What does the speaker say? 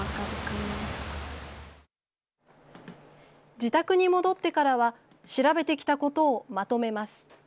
自宅に戻ってからは調べてきたことをまとめます。